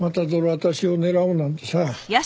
私を狙おうなんてさ。